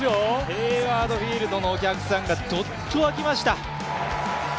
ヘイワード・フィールドのお客さんがドッと沸きました。